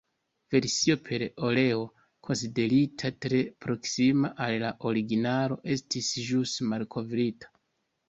Versio per oleo, konsiderita tre proksima al la originalo, estis ĵus malkovrita.